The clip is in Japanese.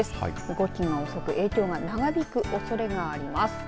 動きが遅く影響が長引くおそれがあります。